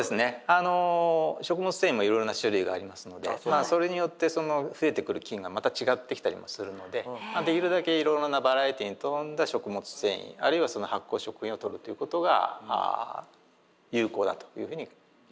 あの食物繊維もいろいろな種類がありますのでそれによってその増えてくる菌がまた違ってきたりもするのでできるだけいろいろなバラエティーに富んだ食物繊維あるいは発酵食品をとるということが有効だというふうに言えると思います。